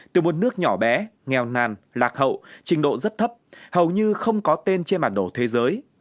từ một nước nhỏ bé nghèo nàn lạc hậu trình độ rất thấp hầu như không có tên trên bản đồ thế giới